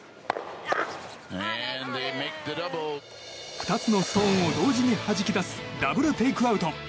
２つのストーンを同時にはじき出すダブルテイクアウト。